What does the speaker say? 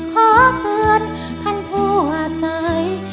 ขอเตือนท่านผู้อาศัย